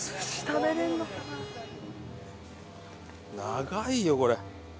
長いよこれ。